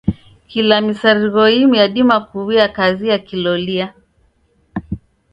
Kila misarigho imu yadima kuw'uya kazi ya kilolia.